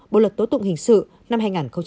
bộ luật tố tụng hình sự năm hai nghìn một mươi năm